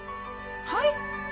はい？